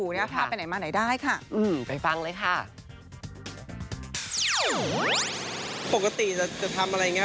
ปกติจะทำอะไรอย่างเงี้